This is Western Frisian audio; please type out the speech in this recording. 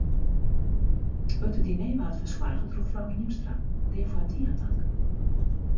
It diner waard fersoarge troch frou Hiemstra, dêrfoar tige tank.